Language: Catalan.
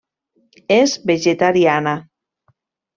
És vegetariana.